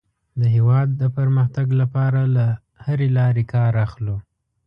د هېواد د پرمختګ لپاره له هرې لارې کار اخلو.